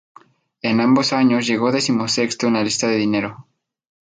En ambos años, llegó decimosexto en la lista de dinero.